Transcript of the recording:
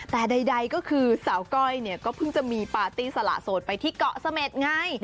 แต่ใดก็คือสาวก้อยเนี่ยก็เพิ่งจะมีปาร์ตี้สละโสดไปที่เกาะเสม็ดไง